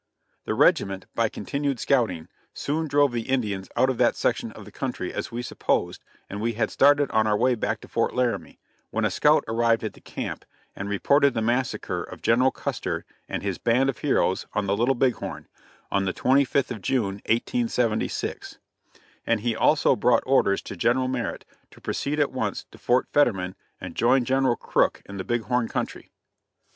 The regiment, by continued scouting, soon drove the Indians out of that section of the country, as we supposed, and we had started on our way back to Fort Laramie, when a scout arrived at the camp and reported the massacre of General Custer and his band of heroes on the Little Big Horn, on the 25th of June, 1876; and he also brought orders to General Merritt to proceed at once to Fort Fetterman and join General Crook in the Big Horn country.